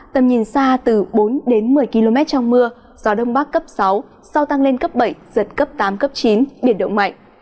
tầm nhìn xa từ bốn đến một mươi km trong mưa gió đông bắc cấp sáu sau tăng lên cấp bảy giật cấp tám cấp chín biển động mạnh